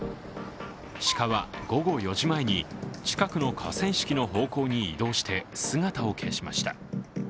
鹿は午後４時前に近くの河川敷の方向に移動して姿を消しました。